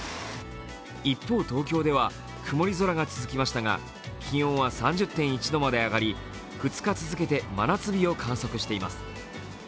一方、東京では曇り空が続きましたが気温は３０．１度まで上がり、２日続けて真夏日を観測しています。